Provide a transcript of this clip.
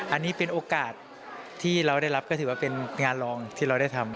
อันนี้เป็นโอกาสที่เราได้รับก็ถือว่าเป็นงานรองที่เราได้ทำ